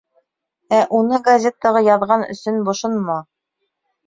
Ә уны газетаға яҙған өсөн бошонма.